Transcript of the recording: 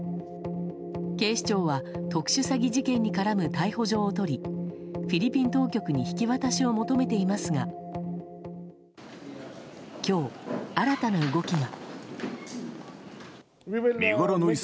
警視庁は、特殊詐欺事件に絡む逮捕状を取りフィリピン当局に引き渡しを求めていますが今日、新たな動きが。